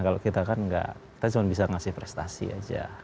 kalau kita kan enggak kita cuma bisa ngasih prestasi aja